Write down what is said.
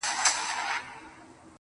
پوره اته دانې سمعان ويلي كړل.